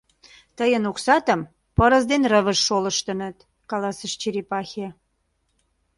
— Тыйын оксатым пырыс ден рывыж шолыштыныт, — каласыш черепахе.